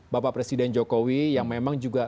bapak presiden jokowi yang memang juga